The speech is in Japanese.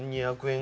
８００円？